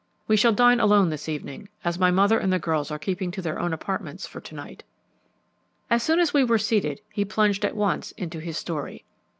We shall dine alone this evening, as my mother and the girls are keeping to their own apartments for to night." As soon as we were seated, he plunged at once into his story.